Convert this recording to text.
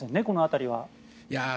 この辺りは。